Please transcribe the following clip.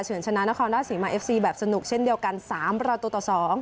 ชนะนครราชศรีมาเอฟซีแบบสนุกเช่นเดียวกัน๓ประตูต่อ๒